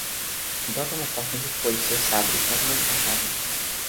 Adota uma forma de foice ou sabre, mais ou menos fechada.